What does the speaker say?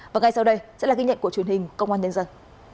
và ngay sau đây sẽ là ghi nhận của truyền hình công an nhân dân